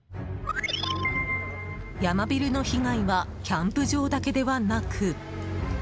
ヤマビルの被害はキャンプ場だけではなく。